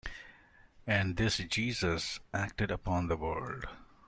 And this Jesus acted upon the world.